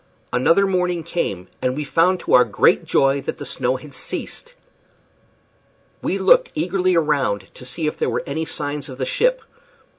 Another morning came, and we found to our great joy that the snow had ceased. We looked eagerly around to see if there were any signs of the ship.